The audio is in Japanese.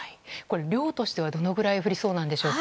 量としてはどのくらい降りそうなんでしょうか？